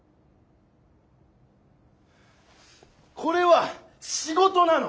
これは仕事なの！